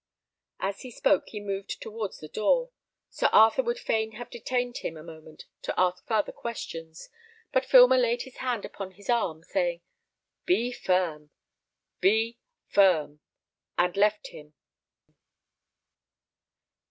As he spoke he moved towards the door. Sir Arthur would fain have detained him a moment to ask farther questions, but Filmer laid his hand upon his arm, saying, "Be firm, be firm!" and left him.